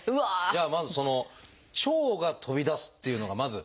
ではまずその腸が飛び出すっていうのがまず